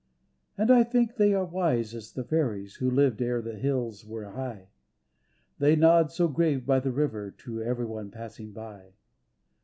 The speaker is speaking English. And I think they are wise as the fairies Who lived ere the hills were high. They nod so grave by the river To everyone passing by.